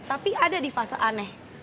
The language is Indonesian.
tapi ada di fase aneh